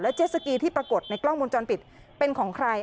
เจสสกีที่ปรากฏในกล้องมูลจรปิดเป็นของใคร